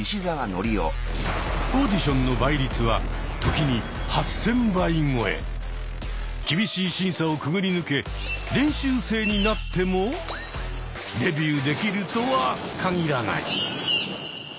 オーディションの倍率は時に厳しい審査をくぐり抜け練習生になってもデビューできるとは限らない。